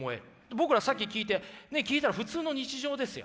僕らさっき聞いたら普通の日常ですよ。